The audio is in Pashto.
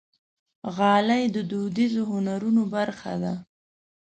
غالۍ د دودیزو هنرونو برخه ده.